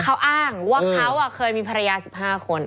เขาอ้างว่าเขาเคยมีภรรยา๑๕คน